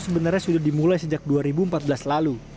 sebenarnya sudah dimulai sejak dua ribu empat belas lalu